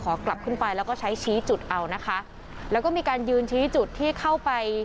กลับขึ้นไปแล้วก็ใช้ชี้จุดเอานะคะแล้วก็มีการยืนชี้จุดที่เข้าไป